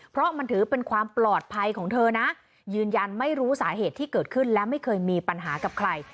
เพราะมันถือเป็นความปลอดภัยของเธอนะยืนยันไม่รู้สาเหตุที่เกิดขึ้นและไม่เคยมีปัญหากับใคร